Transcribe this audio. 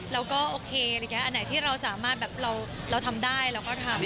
เราก็โอเคอะไรอย่างนี้อันไหนที่เราสามารถแบบเราทำได้เราก็ทำ